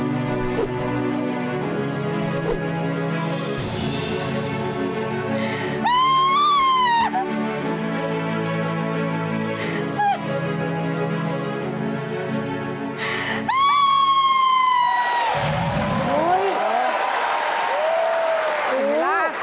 สิ่งแรก